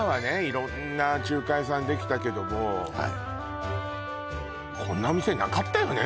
色んな中華屋さんできたけどもこんなお店なかったよね